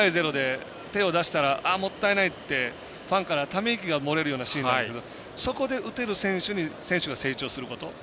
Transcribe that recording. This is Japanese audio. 今、５対０で手を出したらあっ、もったいないってファンからため息が漏れるようなシーンがあるんですけどそこで打てる選手に選手が成長すること。